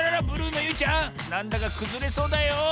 ブルーのゆいちゃんなんだかくずれそうだよ。